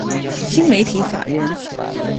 新媒体法人